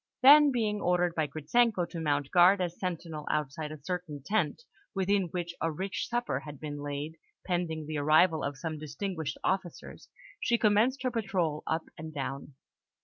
Then, being ordered by Gritzenko to mount guard as sentinel outside a certain tent, within which a rich supper had been laid, pending the arrival of some distinguished officers, she commenced her patrol up and down.